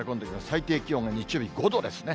最低気温が日曜日、５度ですね。